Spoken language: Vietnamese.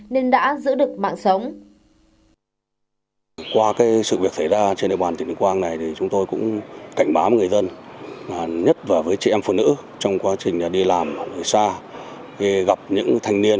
nên đã giữ được mạng sống